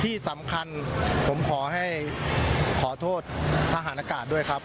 ที่สำคัญผมขอให้ขอโทษทหารอากาศด้วยครับ